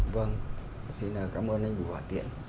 vâng xin cảm ơn anh bù hỏa tiện